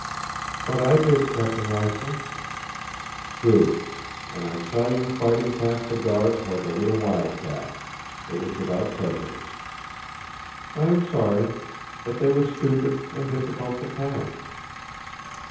"But I did, Captain Rifle." "True. And I saw you fighting past the guards like a little wildcat. It was without precedent." "I am sorry. But they were stupid and difficult to pass."